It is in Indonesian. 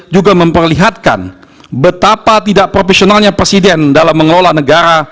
juga memperlihatkan betapa tidak profesionalnya presiden dalam mengelola negara